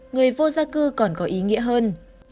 người vô gia cư còn có ý nghĩa hơn